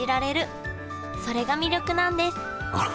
それが魅力なんですあら！